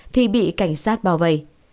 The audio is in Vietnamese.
thì bị cảnh sát bao vây